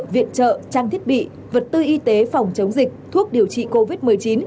viện trợ trang thiết bị vật tư y tế phòng chống dịch thuốc điều trị covid một mươi chín